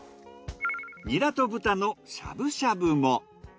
ニラと豚のしゃぶしゃぶも。